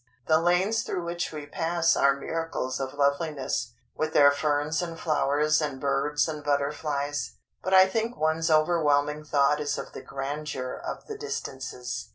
The lanes through which we pass are miracles of loveliness, with their ferns and flowers and birds and butterflies. But I think one's overwhelming thought is of the grandeur of the distances.